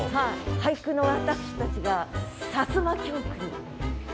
俳句の私たちがさつま狂句に。